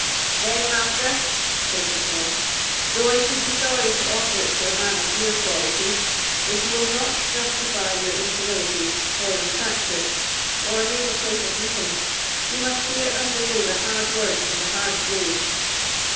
"Then, Master," said Bucklaw, "though I should be sorry to offer it to a man of your quality, if you will not justify your incivility, or retract it, or name a place of meeting, you must here undergo the hard word and the hard blow."